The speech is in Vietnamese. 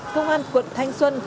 công an quận thanh xuân